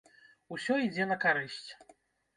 Усё ідзе на карысць.